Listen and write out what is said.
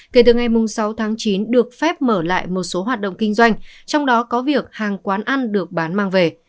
kể từ ngày sáu tháng chín được phép mở lại một số hoạt động kinh doanh trong đó có việc hàng quán ăn được bán mang về